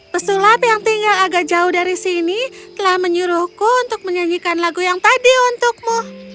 pesulap yang tinggal agak jauh dari sini telah menyuruhku untuk menyanyikan lagu yang tadi untukmu